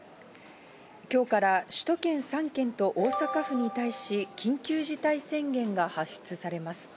今日から首都圏３県と大阪府に対し、緊急事態宣言が発出されます。